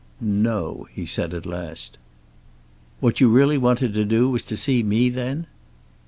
"No" he said at last. "What you really wanted to do was to see me, then?"